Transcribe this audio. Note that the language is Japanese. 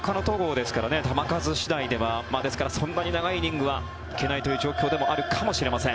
ですから、そんなに長いイニングは行けないという状況ではあるかもしれません。